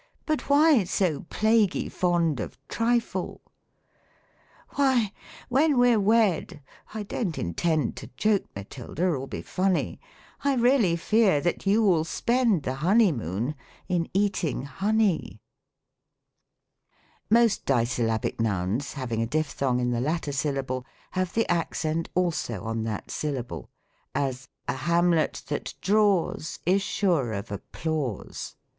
But why so plaguy fond of trifle ? "Why, when we're wed — T don't intend To joke, Matilda, or be funny ; 108 THE COMIC ENGLISH GRAMMAR. I really fear that you will spend The Honey Moon in eating honey !" Most dissyllabic nouns, having a diplhong in the latter syllable, have the accent also on that syllable : as, " A Hamlet that draws Is sure of applause."